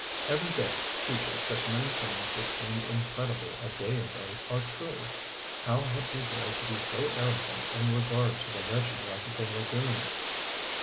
Every day teaches that many things that seemed incredible a day ago are true: how had we dared to be so arrogant in regard to the legend of the lagoon.